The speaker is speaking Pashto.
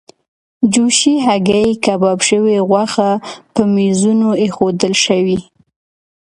جوشې هګۍ، کباب شوې غوښه پر میزونو ایښودل شوې.